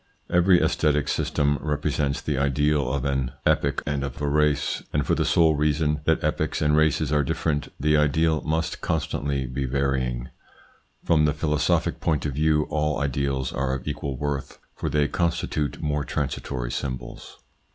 Every aesthetic system represents the ideal of an ITS INFLUENCE ON THEIR EVOLUTION 75 epoch and of a race, and for the sole reason that epochs and races are different, the ideal must con stantly be varying. From the philosophic point of view all ideals are of equal worth, for they constitute more transitory symbols.